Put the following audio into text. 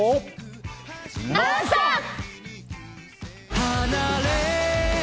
「ノンストップ！」。